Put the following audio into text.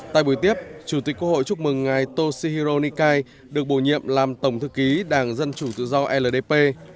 tại buổi tiếp chủ tịch quốc hội chúc mừng ngài toshihiro nikai được bổ nhiệm làm tổng thư ký đảng dân chủ tự do ldp